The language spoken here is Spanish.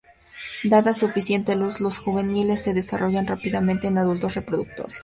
Dada suficiente luz, los juveniles se desarrollan rápidamente en adultos reproductores.